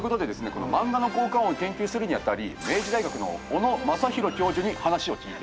このマンガの効果音を研究するに当たり明治大学の小野正弘教授に話を聞いてきました。